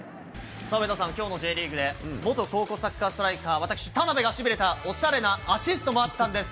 さあ、上田さん、きょうのＪリーグで元高校サッカーストライカー、私、田辺がしびれたおしゃれなアシストがあったんです。